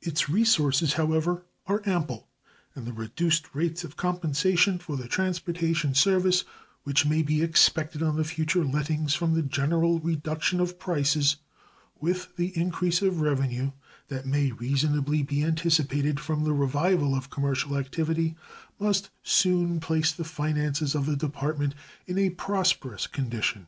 Its resources, however, are ample, and the reduced rates of compensation for the transportation service which may be expected on the future lettings from the general reduction of prices, with the increase of revenue that may reasonably be anticipated from the revival of commercial activity, must soon place the finances of the Department in a prosperous condition.